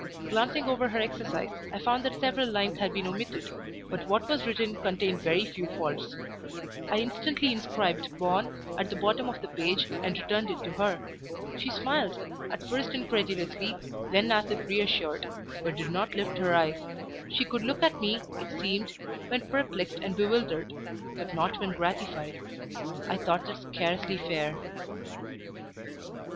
Glancing over her exercise, I found that several lines had been omitted, but what was written contained very few faults; I instantly inscribed "Bon" at the bottom of the page, and returned it to her; she smiled, at first incredulously, then as if reassured, but did not lift her eyes; she could look at me, it seemed, when perplexed and bewildered, but not when gratified; I thought that scarcely fair.